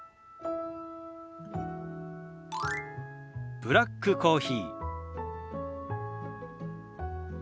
「ブラックコーヒー」。